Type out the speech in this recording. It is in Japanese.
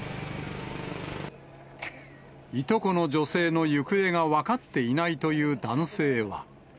いとこの女性の行方が分かっていないという男性は。